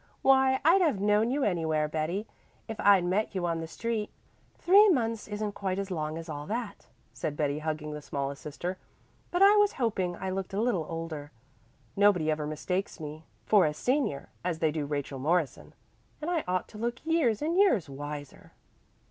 "Why, I'd have known you anywhere, Betty, if I'd met you on the street." "Three months isn't quite as long as all that," said Betty, hugging the smallest sister, "but I was hoping I looked a little older. Nobody ever mistakes me for a senior, as they do Rachel Morrison. And I ought to look years and years wiser."